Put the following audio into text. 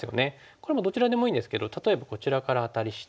これもどちらでもいいんですけど例えばこちらからアタリして。